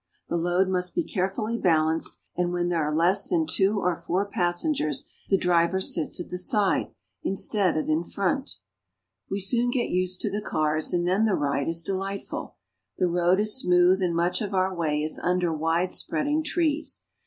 The load must be carefully bal anced, and when there are less than two or four passengers the driver sits at the side instead of in front. Jaunting Car. We soon get used to the cars and then the ride is de lightful. The road is smooth, and much of our way is under widespreading trees.